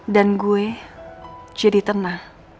dan gue jadi tenang